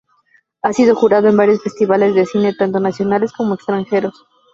Ha sido jurado en varios festivales de cine, tanto nacionales como extranjeros.